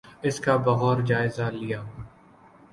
اس کا بغور جائزہ لیا۔